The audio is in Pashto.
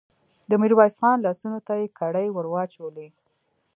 د ميرويس خان لاسونو ته يې کړۍ ور واچولې.